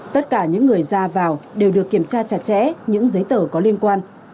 tất cả những người ra vào đều được kiểm tra chặt chẽ những giấy tờ có liên quan